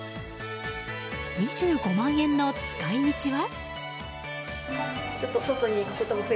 ２５万円の使い道は？